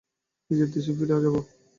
নিজের দেশে ফিরে যাব।